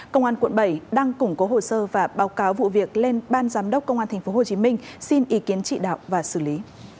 công an quận bảy đang củng cố hồ sơ và báo cáo vụ việc lên ban giám đốc công an tp hcm xin ý kiến trị đạo và xử lý